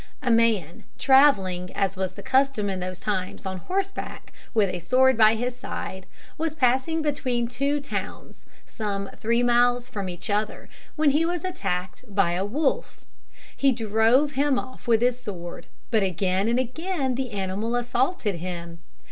A man, travelling, as was the custom in those times, on horseback, with a sword by his side, was passing between two towns, some three miles from each other, when he was attacked by a wolf. He drove him off with his sword, but again and again the animal assaulted him.